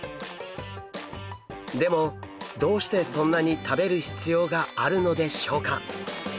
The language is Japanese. でもどうしてそんなに食べる必要があるのでしょうか？